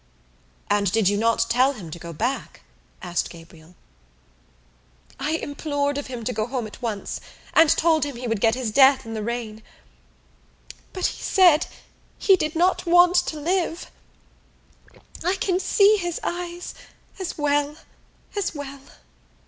"And did you not tell him to go back?" asked Gabriel. "I implored of him to go home at once and told him he would get his death in the rain. But he said he did not want to live. I can see his eyes as well as well!